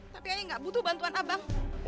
tapi hanya nggak butuh bantuan abang